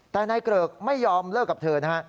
แต่นายเกริกไม่ยอมเลิกกับเธอนะฮะ